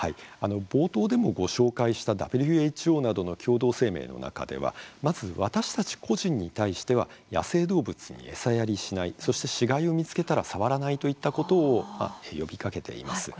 冒頭でもご紹介したＷＨＯなどの共同声明の中ではまず、私たち個人に対しては野生動物に餌やりしないそして死骸を見つけたら触らないといったことを呼びかけています。